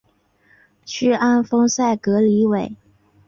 屈安丰塞格里韦。